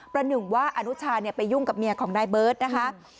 หนึ่งว่าอนุชาไปยุ่งกับเมียของนายเบิร์ตนะคะ